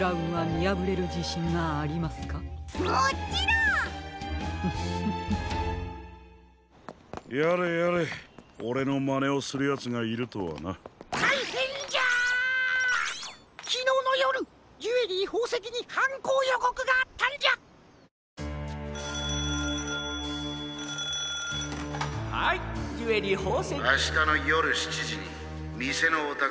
☎あしたのよる７じにみせのおたからをいただく。